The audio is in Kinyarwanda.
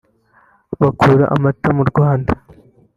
bakura amata mu Rwanda